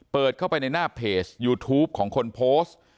เปิดเข้าไปในหน้าเพจยูทูปของคนโพสต์